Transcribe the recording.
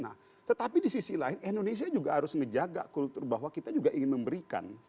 nah tetapi di sisi lain indonesia juga harus ngejaga kultur bahwa kita juga ingin memberikan